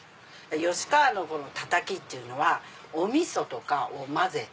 吉川のたたきっていうのはおみそとかを混ぜて。